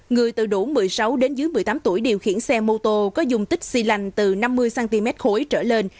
người từ đủ một mươi sáu đến dưới một mươi tám tuổi điều khiển xe mô tô có dùng tích xy lanh từ năm mươi cm khối trở lên